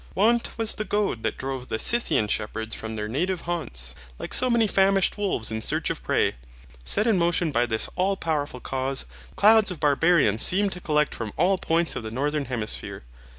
Want was the goad that drove the Scythian shepherds from their native haunts, like so many famished wolves in search of prey. Set in motion by this all powerful cause, clouds of Barbarians seemed to collect from all points of the northern hemisphere.